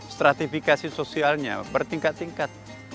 stratifikasi sosialnya bertingkat tingkat